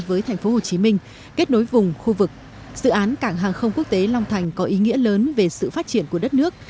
với thành phố hồ chí minh kết nối vùng khu vực dự án cảng hàng không quốc tế long thành có ý nghĩa lớn về sự phát triển của đất nước